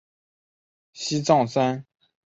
西藏山茉莉为安息香科山茉莉属下的一个种。